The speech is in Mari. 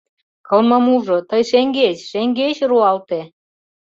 Кылмымужо, тый шеҥгеч, шеҥгеч руалте!..